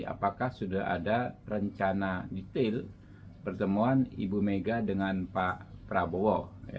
apakah sudah ada rencana detail pertemuan ibu mega dengan pak prabowo